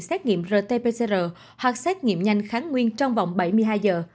sát nghiệm rt pcr hoặc sát nghiệm nhanh kháng nguyên trong vòng bảy mươi hai giờ